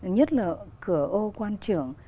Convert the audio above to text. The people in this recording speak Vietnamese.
nhất là cửa ô quan trưởng